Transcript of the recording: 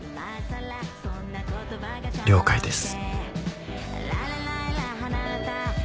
了解です。